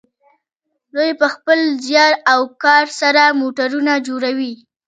دوی په خپل زیار او کار سره موټرونه جوړوي.